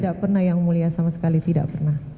tidak pernah yang mulia sama sekali tidak pernah